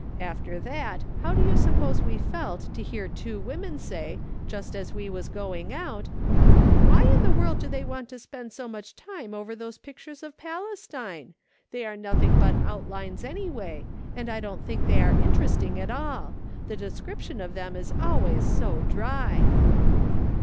After that, how do you sup pose we felt to hear two women say, just as we was going out :"' Why in the world do they want to spend so much time over those pictures of Palestine ? They are nothing but outlines anyway, and I don't think they are interesting at all ; the description of them is always so dry.'